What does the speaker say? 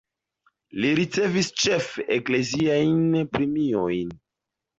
Li ricevis ĉefe ekleziajn premiojn.